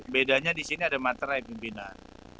bedanya di sini ada materai pimpinan